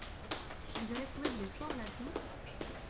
Vous avez trouvé de l’espoir là-dedans ?